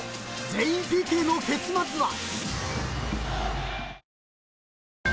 全員ＰＫの結末は］